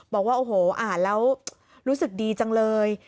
บอกว่าโอ้โหอ่านแล้วรู้สึกดีจังเลย